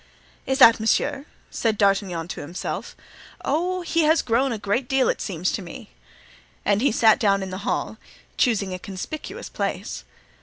"Is that monsieur?" said D'Artagnan to himself. "Oh! oh! he has grown a good deal, it seems to me." And he sat down in the hall, choosing a conspicuous place.